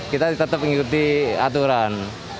kita tetap mengikuti aturan